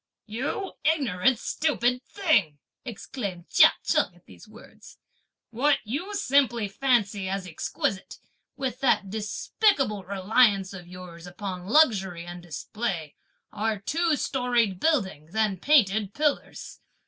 '" "You ignorant stupid thing!" exclaimed Chia Cheng at these words; "what you simply fancy as exquisite, with that despicable reliance of yours upon luxury and display, are two storied buildings and painted pillars!